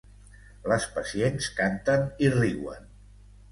Les pacients canten i riuen.